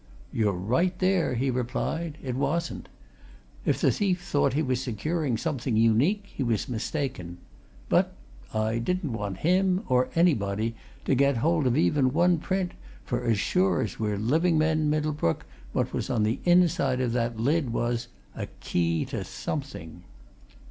"You're right there," he replied. "It wasn't. If the thief thought he was securing something unique, he was mistaken. But I didn't want him, or anybody, to get hold of even one print, for as sure as we're living men, Middlebrook, what was on the inside of that lid was a key to something!"